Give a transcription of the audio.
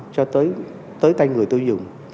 cho tới tay người tư dường